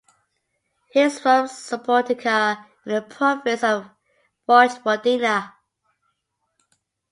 He is from Subotica in the province of Vojvodina.